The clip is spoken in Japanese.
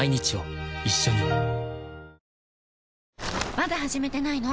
まだ始めてないの？